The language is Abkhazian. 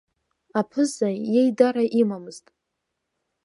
Аԥыза еидара имамызт.